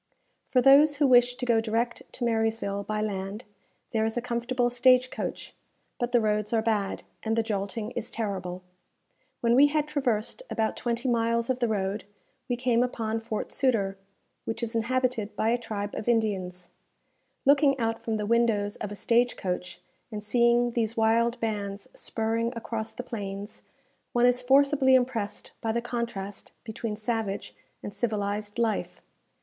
For those who wish to go direct to Marysville by land, there is a comfortable stage coach; but the roads are bad, and the jolting is terrible. When we had traversed about twenty miles of the road, we came upon Fort Sutter, which is inhabited by a tribe of Indians. Looking out from the windows of a stage coach, and seeing these wild bands spurring across the plains, one is forcibly impressed by the contrast between savage and civilized life.